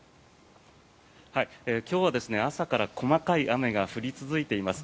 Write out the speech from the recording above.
今日は朝から細かい雨が降り続いています。